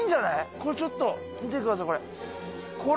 これちょっと見てください、これ。